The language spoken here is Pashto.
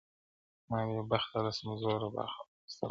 ما بې بخته له سمسوره باغه واخیسته لاسونه-